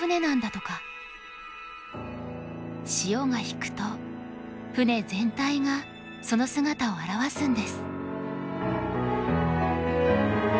潮が引くと船全体がその姿を現すんです。